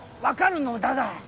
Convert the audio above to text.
分かるのだが。